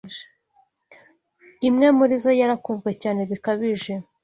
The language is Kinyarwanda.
imwe muri zo yarakunzwe cyane bikabije